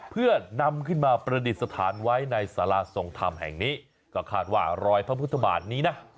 เพื่อนำขึ้นมาประดิษฐานไว้ในสาราทรงธรรมแห่งนี้ก็คาดว่ารอยพระพุทธบาทนี้นะ